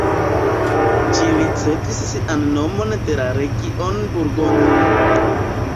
Ĝi ricevis sian nomon de la region Burgonjo.